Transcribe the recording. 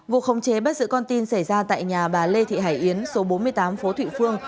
vụ khống chế bắt giữ con tin xảy ra tại nhà bà lê thị hải yến số bốn mươi tám phố thụy phương